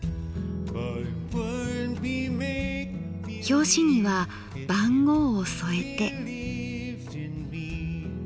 表紙には番号を添えて。